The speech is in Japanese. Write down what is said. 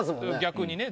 逆にね。